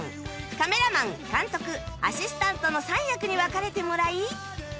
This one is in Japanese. カメラマン監督アシスタントの３役に分かれてもらい